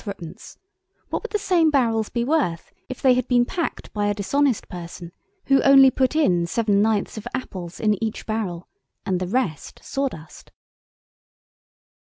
_, what would the same barrels be worth if they had been packed by a dishonest person, who only put in 7/9ths of apples in each barrel and the rest sawdust?"